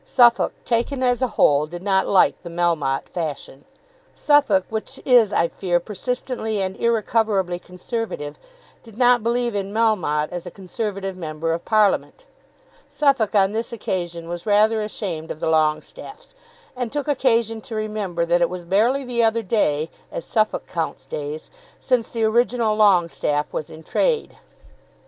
Suffolk, taken as a whole, did not like the Melmotte fashion. Suffolk, which is, I fear, persistently and irrecoverably Conservative, did not believe in Melmotte as a Conservative Member of Parliament. Suffolk on this occasion was rather ashamed of the Longestaffes, and took occasion to remember that it was barely the other day, as Suffolk counts days, since the original Longestaffe was in trade.